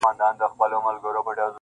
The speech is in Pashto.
هغه ځای چي تا یې کړي دي نکلونه -